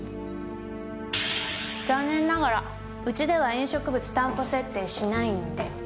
残念ながらうちでは飲食物担保設定しないんで。